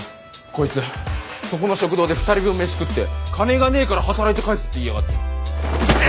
こいつそこの食堂で２人分飯食って「金がねえから働いて返す」って言いやがって。